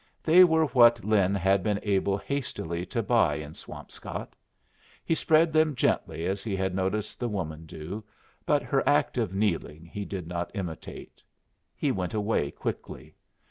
They were what Lin had been able hastily to buy in Swampscott. He spread them gently as he had noticed the woman do, but her act of kneeling he did not imitate. He went away quickly.